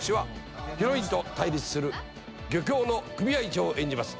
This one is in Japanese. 笋ヒロインと対立する漁協の組合長を演じます。